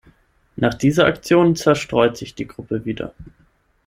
Nach dieser Aktion zerstreut sich die Gruppe wieder.